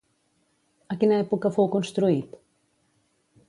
A quina època fou construït?